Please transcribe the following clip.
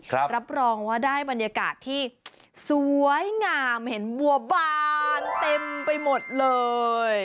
รับรองว่าได้บรรยากาศที่สวยงามเห็นบัวบานเต็มไปหมดเลย